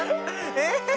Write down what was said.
えっ？